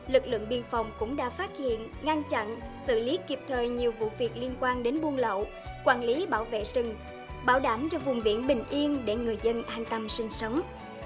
lực lượng biên phòng cũng đã phát hiện ngăn chặn xử lý kịp thời nhiều vụ việc liên quan đến buôn lậu quản lý bảo vệ rừng bảo đảm cho vùng biển bình yên để người dân an tâm sinh sống